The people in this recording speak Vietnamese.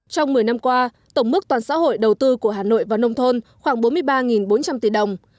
trong một mươi năm qua tổng mức toàn xã hội đầu tư của hà nội vào nông thôn khoảng bốn mươi ba bốn trăm linh tỷ đồng